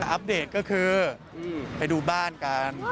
อัปเดตก็คือไปดูบ้านกัน